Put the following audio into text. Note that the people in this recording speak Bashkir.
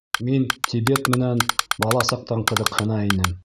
— Мин Тибет менән бала саҡтан ҡыҙыҡһына инем.